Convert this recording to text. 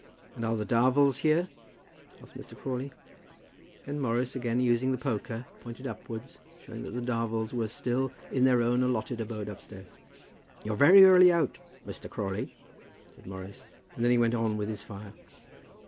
"And are the Darvels here?" asked Mr. Crawley. Then Morris, again using the poker, pointed upwards, showing that the Darvels were still in their own allotted abode upstairs. "You're early out, Muster Crawley," said Morris, and then he went on with his fire.